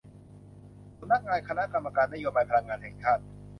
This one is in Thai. สำนักงานคณะกรรมการนโยบายพลังงานแห่งชาติ